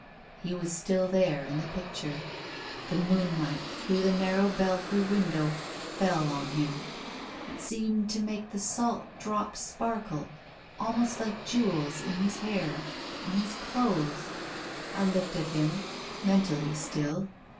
He was still there in the picture. The moonlight through the narrow belfry window fell on him. It seemed to make the salt drops sparkle, almost like jewels, in his hair, on his clothes. I looked at him, — mentally, still.